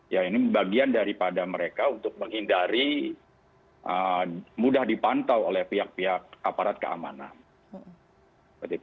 ya ini bagian daripada mereka untuk menghindari mudah dipantau oleh pihak pihak aparat keamanan